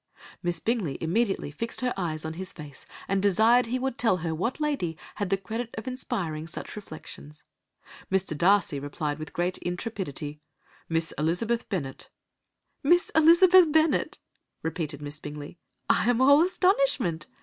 "Miss Bingley immediately fixed her eyes on his face, and desired he would tell her what lady had the credit of inspiring such reflections. Mr. Darcy replied with great intrepidity, 'Miss Elizabeth Bennet!' "'Miss Elizabeth Bennet!' repeated Miss Bingley, 'I am all astonishment.